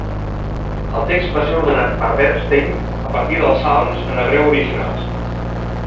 El text va ser ordenat per Bernstein a partir dels salms en hebreu originals.